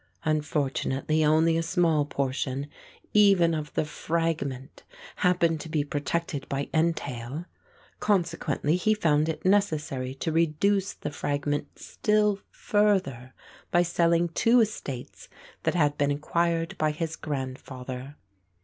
Unfortunately only a small portion, even of the fragment, happened to be protected by entail. Consequently he found it necessary to reduce the fragment still further by selling two estates that had been acquired by his grandfather.